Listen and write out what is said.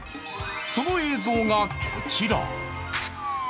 その映像がこちら。